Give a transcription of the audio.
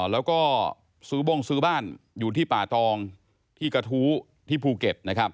แล้วก็ซื้อบ้งซื้อบ้านอยู่ที่ป่าตองที่กระทู้ที่ภูเก็ตนะครับ